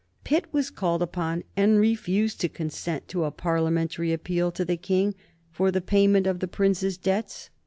Pitt was called upon and refused to consent to a Parliamentary appeal to the King for the payment of the Prince's debts.